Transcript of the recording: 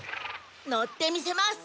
乗ってみせます！